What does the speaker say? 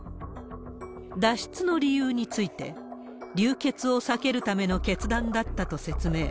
脱出の理由について、流血を避けるための決断だったと説明。